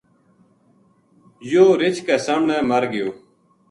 یوہ رچھ کے سامنے مر گیو